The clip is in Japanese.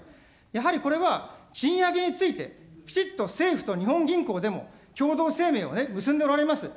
やはりこれは賃上げについて、きちっと政府と日本銀行でも共同声明をね、結んでおられます。